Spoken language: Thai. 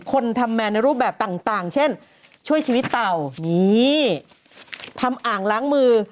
คนทำแมนในรูปแบบต่างเช่นช่วยชีวิตเต่านี่ทำอ่างล้างมือ